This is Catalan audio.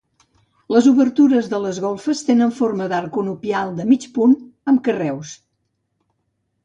Les obertures de les golfes tenen forma d'arc conopial de mig punt amb carreus.